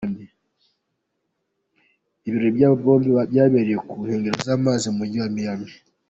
Ibirori by’aba bombi byabereye ku nkengero z’amazi mu Mujyi wa Miami.